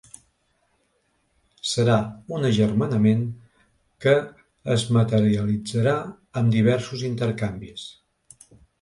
Serà un agermanament que es materialitzarà amb diversos intercanvis.